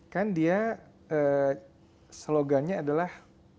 kan dia slogannya adalah